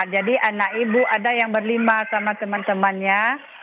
jadi anak ibu ada yang berlima sama teman temannya